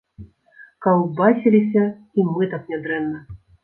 Каўбасіліся і мы так нядрэнна!